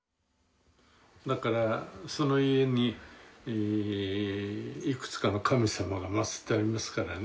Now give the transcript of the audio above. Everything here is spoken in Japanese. その家にいくつかの神様が祀ってありますからね。